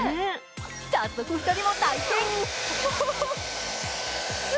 早速２人も体験。